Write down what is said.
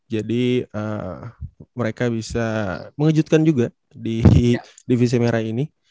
mereka bisa mengejutkan juga di divisi merah ini